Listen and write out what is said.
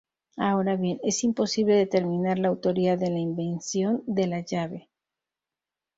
Ahora bien, es imposible determinar la autoría de la invención de la llave.